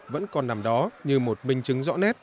vẫn còn nằm đó như một minh chứng rõ nét